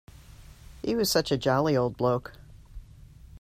He was such a jolly old bloke.